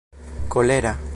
kolera